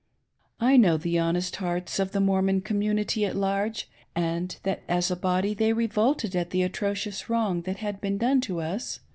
I know the honest hearts of the Mormon community at large, and that as a body they revolted at the atrocious wrong that had been done to us.